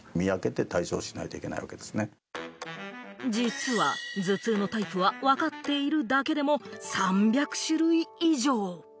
実は頭痛のタイプはわかっているだけでも３００種類以上。